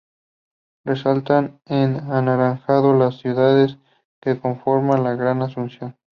Resaltan en anaranjado las ciudades que conforman el Gran Asunción.